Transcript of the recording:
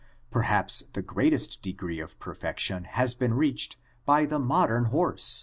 Perhaps the greatest degree of perfection has been reached by the modern horse (Equus, see Fig.